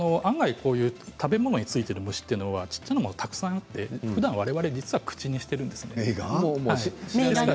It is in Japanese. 食べ物についている虫は小さいものがたくさんあって実は、われわれ結構、口にしているんですね。